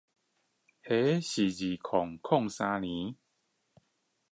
那是二零零三年